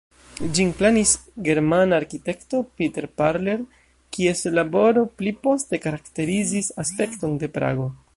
Ĝin planis germana arkitekto Peter Parler, kies laboro pli poste karakterizis aspekton de Prago.